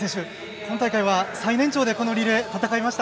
今大会は最年長でリレーを戦いました。